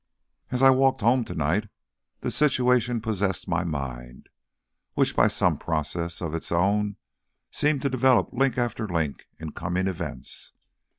"As I walked home tonight, the situation possessed my mind, which by some process of its own seemed to develop link after link in coming events.